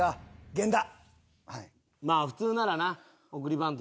源田。